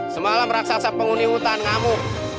semalam raksasa penghuni hutan ngamuk